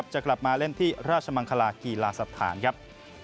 จะกลับมาเล่นที่ราชมังคลากีฬาสถานครับ